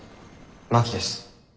真木です。